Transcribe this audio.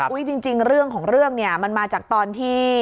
จริงเรื่องของเรื่องเนี่ยมันมาจากตอนที่